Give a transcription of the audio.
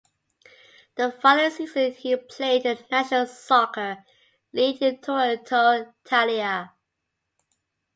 The following season he played in the National Soccer League with Toronto Italia.